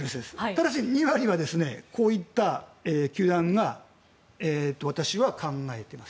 ただし、２割はこういった球団が私は考えています。